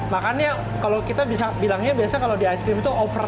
makannya kalo kita bisa membuatnya lebih cepat makanya kita bisa membuatnya lebih cepat